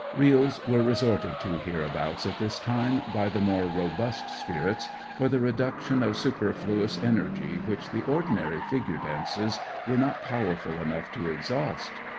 Reels were resorted to hereabouts at this time by the more robust spirits, for the reduction of superfluous energy which the ordinary figure dances were not powerful enough to exhaust.